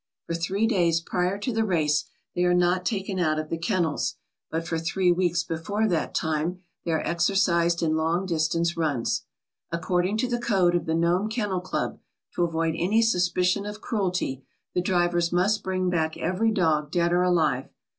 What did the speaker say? For three days prior to the race they are 199 ALASKA OUR NORTHERN WONDERLAND not taken out of the kennels, but for three weeks before that time they are exercised in long distance runs. "According to the code of the Nome Kennel Club, to avoid any suspicion of cruelty, the drivers must bring back every dog, dead or alive.